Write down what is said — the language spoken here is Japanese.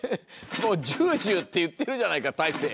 もうジュージューっていってるじゃないかたいせい。